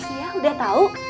iya udah tau